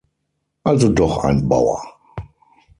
Also doch ein Bauer.